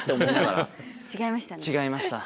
違いましたね。